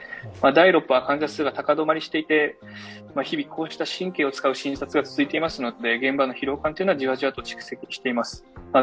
第６波は陽性者が高止まりしていて日々、こうした神経を遣う診察が続いていますので現場の疲労感はじわじわ蓄積しています。